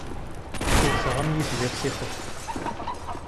Ttewwteɣ am yitbir s ixef.